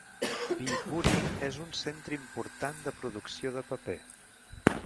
Viipuri és un centre important de producció de paper.